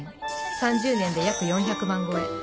３０年で約４００万超え